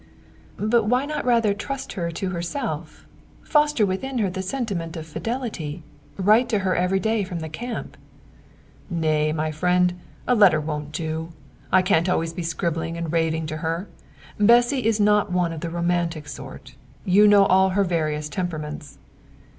"But why not rather trust her to herself? Foster within her the sentiment of fidelity. Write to her every day from the camp." "Nay, my friend, a letter won't do. I can't be always scribbling and raving to her. Bessy is not one of the romantic sort. You know all her various temperaments."